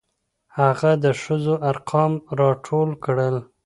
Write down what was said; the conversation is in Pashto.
هغه د ښځو ارقام راټول کړل.